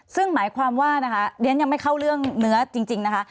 ซึ่งหมายความว่านะคะเรียนยังไม่เข้าเรื่องเนื้อจริงนะคะ